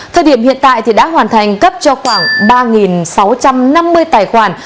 thời điểm hiện tại thì đã hoàn thành cấp cho khoảng ba sáu trăm năm mươi tài khoản